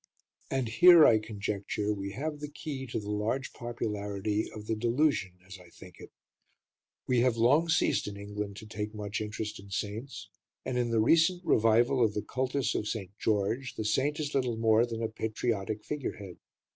And here, I conjecture, we have the key to the large popularity of the delusion as I think it. We have long ceased in England to take much interest in saints, and in the recent revival of the cultus of St. George, the saint is little more than a patriotic figurehead.